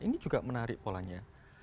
ini juga menarik polanya